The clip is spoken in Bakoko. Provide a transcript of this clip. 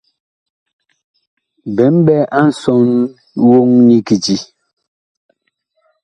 Bi mɓɛ a nsɔn woŋ nyi kiti.